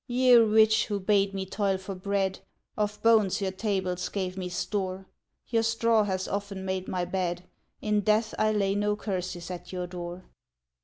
Ye rich, who bade me toil for bread, Of bones your tables gave me store, Your straw has often made my bed; In death I lay no curses at your door.